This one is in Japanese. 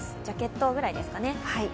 ジャケットぐらいですかね。